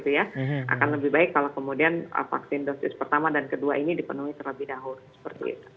jadi itu yang saya ingin tahu ya akan lebih baik kalau kemudian vaksin dosis pertama dan kedua ini dipenuhi terlebih dahulu